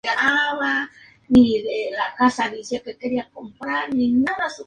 Roberts ya conocía a Davies gracias a la mencionada conferencia sobre multiplexación.